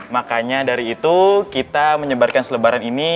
makanya dari itu kita menyebarkan selebaran ini